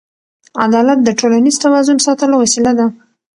عدالت د ټولنیز توازن ساتلو وسیله ده.